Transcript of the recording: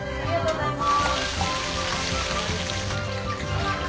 ありがとうございます。